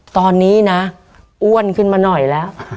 ตอนนี้นะอ้วนขึ้นมาหน่อยแล้ว